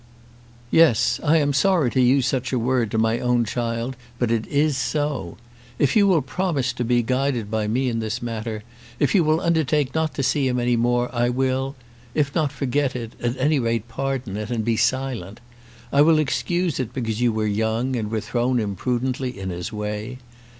"Yes. I am sorry to use such a word to my own child, but it is so. If you will promise to be guided by me in this matter, if you will undertake not to see him any more, I will, if not forget it, at any rate pardon it, and be silent. I will excuse it because you were young, and were thrown imprudently in his way.